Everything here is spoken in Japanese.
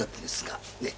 ねえ。